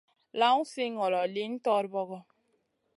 Lawn si ŋolo, lihn torbogo.